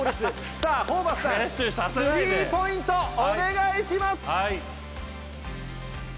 さあ、ホーバスさん、スリーポイントお願いします。